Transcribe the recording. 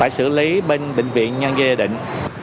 phải xử lý bên bệnh viện nhân dân gia đình